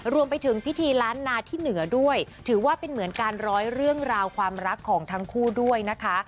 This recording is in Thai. รวมไปถึงพิธีล้านนาที่เหนือด้วยถือว่าเป็นเหมือนการร้อยเรื่องราวความรักของทั้งคู่ด้วยนะคะ